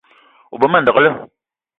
O be ma ndekle